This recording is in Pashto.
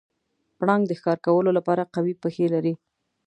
پړانګ د ښکار کولو لپاره قوي پښې لري.